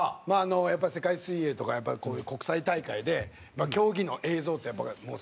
やっぱり世界水泳とかこういう国際大会で競技の映像ってやっぱりすごいキレイじゃないですか。